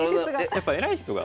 やっぱ偉い人が。